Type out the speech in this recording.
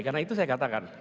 karena itu saya katakan